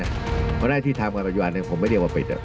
เพราะในที่ทางการประยวาดเองผมไม่เรียกว่าปิดอะ